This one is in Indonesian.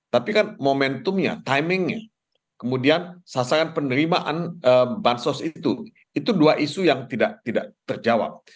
tapi kan momentumnya timingnya kemudian sasaran penerimaan bansos itu itu dua isu yang tidak terjawab